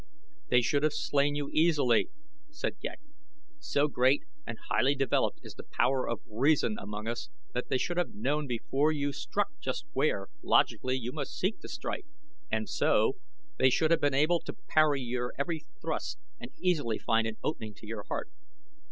"They should have slain you easily," said Ghek. "So great and highly developed is the power of reason among us that they should have known before you struck just where, logically, you must seek to strike, and so they should have been able to parry your every thrust and easily find an opening to your heart."